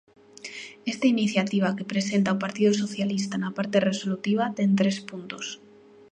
Esta iniciativa que presenta o Partido Socialista na parte resolutiva ten tres puntos.